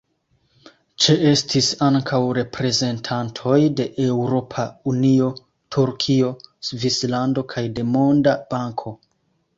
Ĉeestis ankaŭ reprezentantoj de Eŭropa Unio, Turkio, Svislando kaj de Monda Banko.